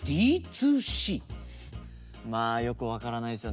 まあよく分からないですよね